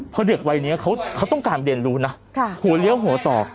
เพราะเด็กวัยนี้เขาต้องการเรียนรู้นะหัวเลี้ยวหัวต่อ